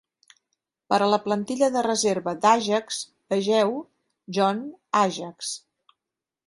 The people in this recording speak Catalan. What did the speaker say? Per a la plantilla de reserva d'Ajax, vegeu: Jong Ajax.